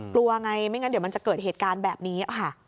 กลัวไงไม่งั้นเดี๋ยวมันจะเกิดเหตุการณ์แบบนี้ค่ะ